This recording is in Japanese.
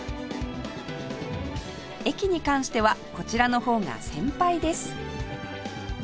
駅に関してはこちらの方が先輩です